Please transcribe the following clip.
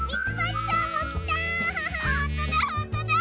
ほんとだ